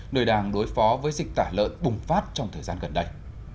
nơi đang đối phó với dịch tả lợn bùng phát trong thời gian gần đây